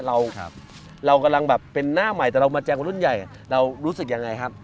เรากำลังแบบเป็นหน้าใหม่แต่เรามาแจงว่ารุ่นใหญ่เรารู้สึกยังไงครับ